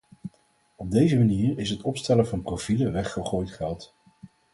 Op deze manier is het opstellen van profielen weggegooid geld.